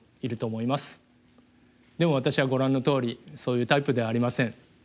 でも私はご覧のとおりそういうタイプではありません。